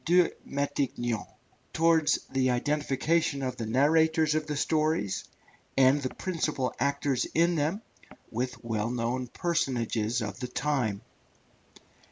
de Montaiglon, towards the identification of the narrators of the stories, and the principal actors in them, with well known personages of the time.